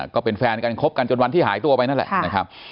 ก็เป็นแฟนกันคบกันจนวันที่หายตัวไปนั่นแหละนะครับ